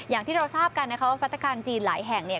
อย่างที่เราทราบกันนะคะว่ารัฐการจีนหลายแห่งเนี่ย